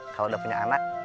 kalau udah punya anak